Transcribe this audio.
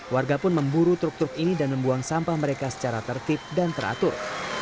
warga pun memburu truk truk ini dan membuang sampah mereka secara tertib dan teratur